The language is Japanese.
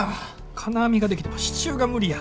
金網ができても支柱が無理や。